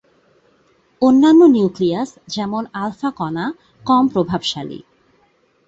অন্যান্য নিউক্লিয়াস, যেমন আলফা কণা, কম প্রভাবশালী।